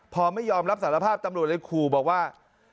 พอไม่ยอมรับสารภาพตำรวจเลยขู่บอกว่า